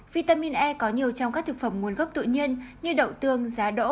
vitamin e có nhiều trong các thực phẩm nguồn gốc tự nhiên như đậu tương giá đỗ